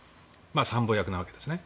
参謀役なわけですね。